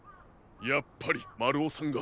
やっぱりまるおさんが。